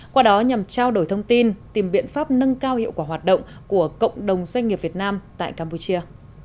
qua đó nhằm trao đổi thông tin tìm biện pháp nâng cao hiệu quả hoạt động của cộng đồng doanh nghiệp việt nam tại campuchia